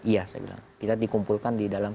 iya saya bilang kita dikumpulkan di dalam